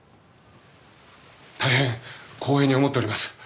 大変光栄に思っております。